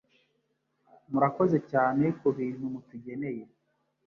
murakoze cyane kubintu mutugeneye